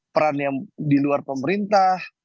peran yang di luar pemerintah